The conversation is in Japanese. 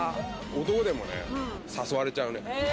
男でもね、誘われちゃうね。